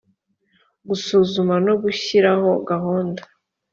gusuzuma no gushyiraho gahunda